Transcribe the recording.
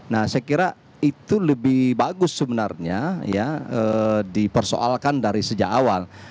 nah saya kira itu lebih bagus sebenarnya ya dipersoalkan dari sejak awal